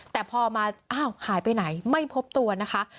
แต่พอมาอ้าวหายไปไหนไม่พบตัวนะคะ